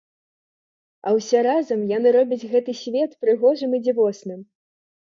А ўсе разам яны робяць гэты свет прыгожым і дзівосным.